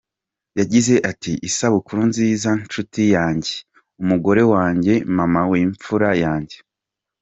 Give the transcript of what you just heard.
Yagize ati “Isabukuru Nziza nshuti yanjye, Umugore wanjye, Mama w’imfura yanjye.